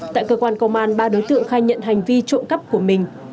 tại cơ quan công an ba đối tượng khai nhận hành vi trộm cắp của mình